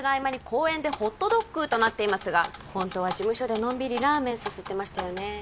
「公園でホットドッグ！」となっていますがホントは事務所でのんびりラーメンすすってましたよね